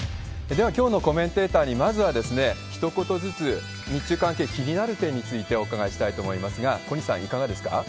では、きょうのコメンテーターに、まずはひと言ずつ日中関係、気になる点についてお伺いしたいと思いますが、小西さん、いかがですか？